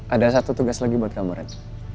ada satu tugas lagi buat kamu ran